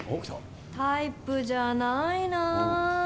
タイプじゃないな。